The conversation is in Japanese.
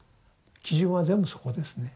基準は全部そこですね。